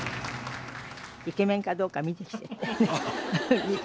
イケメンかどうか見てきてって。